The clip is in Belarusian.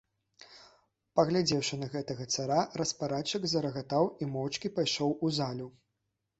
Паглядзеўшы на гэтага цара, распарадчык зарагатаў і моўчкі пайшоў у залю.